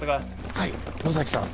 はい野崎さん